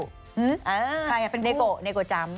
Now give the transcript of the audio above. ใครเป็นเนโกะเนโกจำ